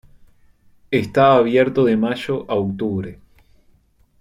Está abierto de mayo a octubre.